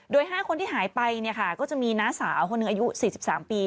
โดย๕คนที่หายไปเนี่ยค่ะก็จะมีน้าสาวคนหนึ่งอายุ๔๓ปี